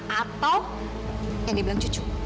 atau yang dibilang cucu